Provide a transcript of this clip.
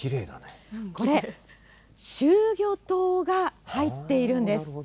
これ、集魚灯が入っているんです。